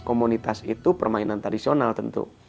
komunitas itu permainan tradisional tentu